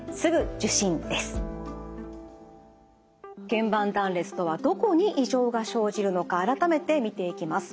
けん板断裂とはどこに異常が生じるのか改めて見ていきます。